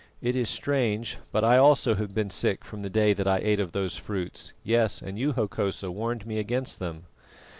"It is strange, but I also have been sick from the day that I ate of those fruits; yes, and you, Hokosa, warned me against them."